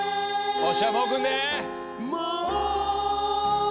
おっしゃもうくんで！